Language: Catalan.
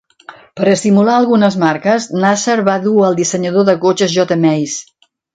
Per estimular algunes marques, Nasser va dur el dissenyador de cotxes J. Mays.